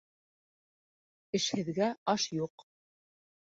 Эшһеҙгә аш юҡ.